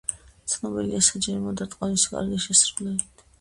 ცნობილია საჯარიმო დარტყმების კარგი შესრულებით.